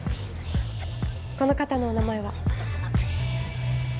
この方のお名前は？